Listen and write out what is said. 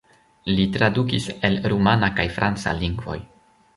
Li tradukis el rumana kaj franca lingvoj.